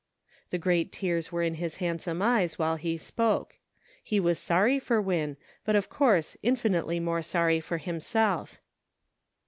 The great tears were in his handsome eyes while he spoke ; he was sorry for Win, but of course infinitely more sorry for himself.